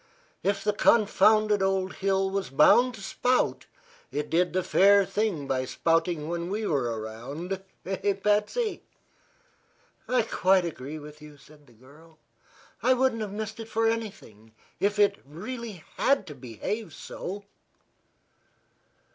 If the confounded old hill was bound to spout, it did the fair thing by spouting when we were around. Eh, Patsy?" "I quite agree with you," said the girl. "I wouldn't have missed it for anything if it really had to behave so."